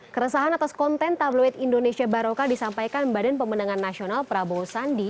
keresahan atas konten tabloid indonesia baroka disampaikan badan pemenangan nasional prabowo sandi